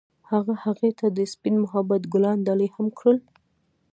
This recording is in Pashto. هغه هغې ته د سپین محبت ګلان ډالۍ هم کړل.